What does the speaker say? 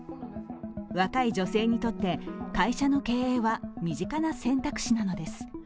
若い女性にとって、会社の経営は身近な選択肢なのです。